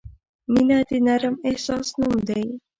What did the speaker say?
• مینه د نرم احساس نوم دی.